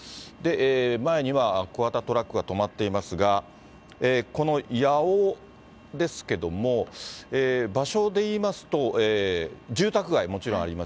前には小型トラックが止まっていますが、この八尾ですけども、場所で言いますと、住宅街、もちろんあります。